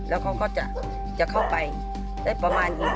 แล้วเขาก็จะเข้าไปได้ประมาณอีก